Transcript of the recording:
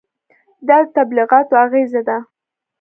دا د تبلیغاتو اغېزه ده.